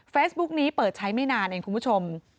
บุ๊กนี้เปิดใช้ไม่นานเองคุณผู้ชม